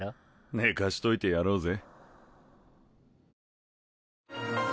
寝かしといてやろうぜ。